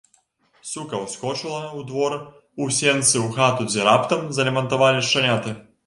Сука ўскочыла ў двор, у сенцы, у хату, дзе раптам залямантавалі шчаняты.